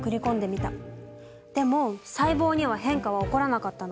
でも細胞には変化は起こらなかったの。